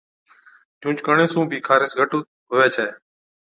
جھُونچ ڪرڻي سُون بِي خارس گھٽ هُوَي ڇَي۔